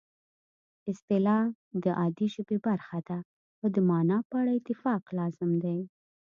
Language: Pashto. اصطلاح د عادي ژبې برخه ده او د مانا په اړه اتفاق لازم دی